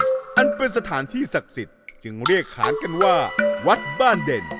อันเป็นสถานที่ศักดิ์สิทธิ์จึงเรียกขานกันว่าวัดบ้านเด่น